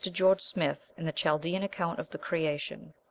George Smith, in the Chaldean account of the Creation (p.